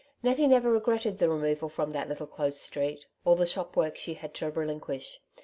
Nettie never regretted the removal from that little close street, or the shop work she had to relinquish.